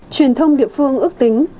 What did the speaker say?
truyền thông địa phương ước tính